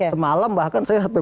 semalam bahkan saya sampai